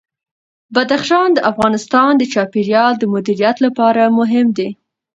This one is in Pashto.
بدخشان د افغانستان د چاپیریال د مدیریت لپاره مهم دي.